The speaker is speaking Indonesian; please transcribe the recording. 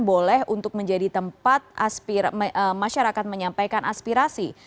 boleh untuk menjadi tempat masyarakat menyampaikan aspirasi